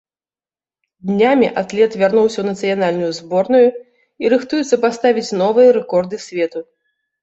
Днямі атлет вярнуўся ў нацыянальную зборную і рыхтуецца паставіць новыя рэкорды свету.